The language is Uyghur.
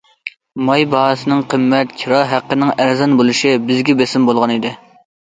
ماي باھاسىنىڭ قىممەت، كىرا ھەققىنىڭ ئەرزان بولۇشى بىزگە بېسىم بولغانىدى.